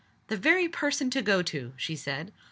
"The very person to go to!" she said.